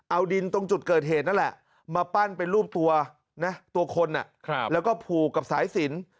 เอาดินตรงจุดเกิดเหตุนั่นแหละมาปั้นเป็นรูปตัวนะตัวคนแล้วก็ผูกกับสายสิน